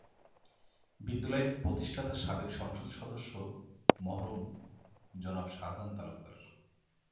বিদ্যালয়টির প্রতিষ্ঠাতা সাবেক সংসদ সদস্য মরহুম জনাব শাহজাহান তালুকদার।